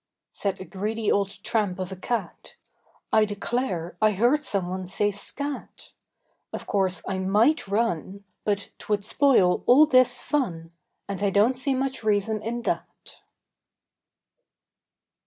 Said a greedy old tramp of a cat: "I declare, I heard someone say 'scat!' Of course I might run; But t'would spoil all this fun, And I don't see much reason in that."